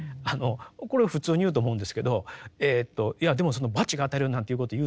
これ普通に言うと思うんですけどいやでもその罰が当たるよなんていうことを言うとですね